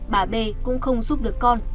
bà b cũng không giúp được con